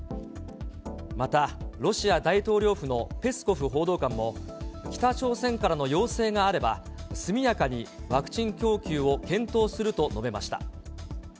またロシア大統領府のペスコフ報道官も、北朝鮮からの要請があれば、速やかにワクチン供給を検討すると述べました。